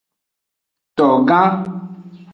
Togan.